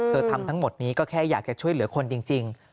ทำทั้งหมดนี้ก็แค่อยากจะช่วยเหลือคนจริง